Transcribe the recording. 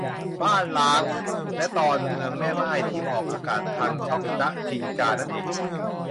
บ้านร้าง และตอน เมืองแม่ม่าย ที่ออกอากาศทางช่องจ๊ะทิงจานั่นเอง